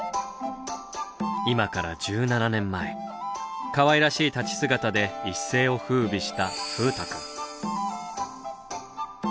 今から１７年前かわいらしい立ち姿で一世をふうびした風太くん。